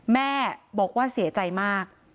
แม่บอกว่าเสียใจมาก